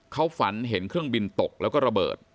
เขาฝันเห็นเครื่องบินตกแล้วก็ระเบิด